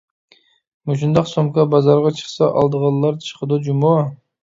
مۇشۇنداق سومكا بازارغا چىقسا ئالىدىغانلار چىقىدۇ جۇمۇ.